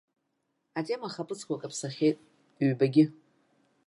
Атема ахаԥыцқәа каԥсахьеит, ҩбагьы.